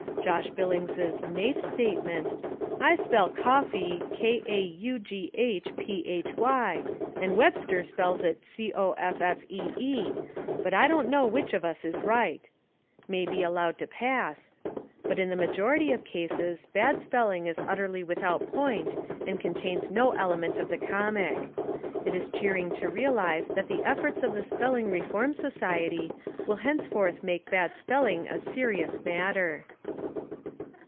Josh Billings' naif statement — "I spell kaughphy, k a u g h p h y, and Webster spells it coffee, but I don't know which of us is right" — may be allowed to pass, but in the ma 134 American HuivMur jority of cases bad spelling is utterly without point and contains no element of the comic. It is cheering to realise that the efforts of the spelling reform society will henceforth make bad spelling a serious matter.